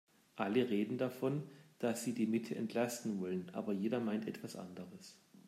Alle reden davon, dass sie die Mitte entlasten wollen, aber jeder meint etwas anderes.